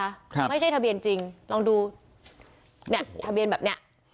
ครับไม่ใช่ทะเบียนจริงลองดูเนี้ยทะเบียนแบบเนี้ย